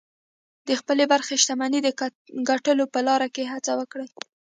د خپلې برخې شتمنۍ د ګټلو په لاره کې هڅه وکړئ